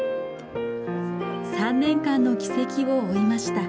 ３年間の軌跡を追いました。